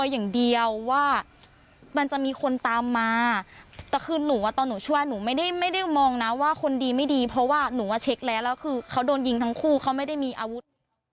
แต่คือหนูว่าตอนหนูช่วยหนูไม่ได้ไม่ได้มองนะว่าคนดีไม่ดีเพราะว่าหนูว่าเช็คแล้วแล้วคือเขาโดนยิงทั้งคู่เขาไม่ได้มีอาวุธ